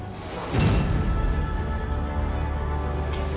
mama kok yakin kalau murti pasti pelakunya